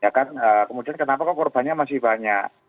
ya kan kemudian kenapa kok korbannya masih banyak